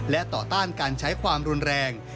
และต่อต้านการใช้ความรุนแรง